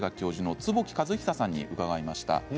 坪木和久さんに伺いました。